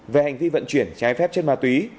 về hành vi vận chuyển trái phép chất ma túy